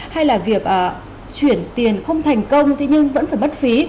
hay là việc chuyển tiền không thành công thế nhưng vẫn phải mất phí